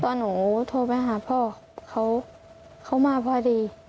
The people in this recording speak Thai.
หนูโทรไปหาพ่อเขามาพอดี